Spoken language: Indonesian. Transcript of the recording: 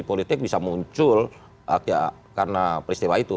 politik bisa muncul karena peristiwa itu